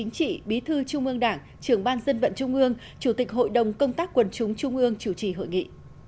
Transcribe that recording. chính trị bí thư trung ương đảng trưởng ban dân vận trung ương chủ tịch hội đồng công tác quần chúng trung ương chủ trì hội nghị